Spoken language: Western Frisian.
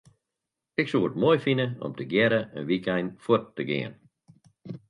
Ik soe it moai fine om tegearre in wykein fuort te gean.